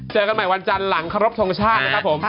เจอกันใหม่วันจันทร์หลังครบทรงชาตินะครับผม